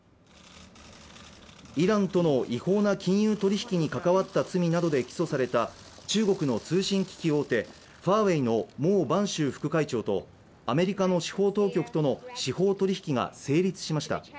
イランとの違法な金融取引に関わった罪などで起訴された中国の通信機器大手、ファーウェイの孟晩舟副会長とアメリカの司法当局との司法取引が成立しました。